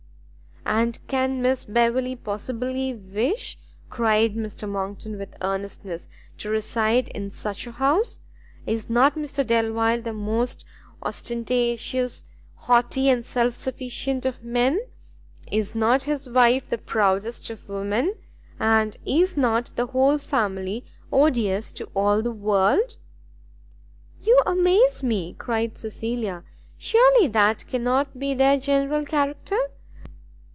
"And can Miss Beverley possibly wish," cried Mr Monckton with earnestness, "to reside in such a house? Is not Mr Delvile the most ostentatious, haughty, and self sufficient of men? Is not his wife the proudest of women? And is not the whole family odious to all the world?" "You amaze me!" cried Cecilia; "surely that cannot be their general character?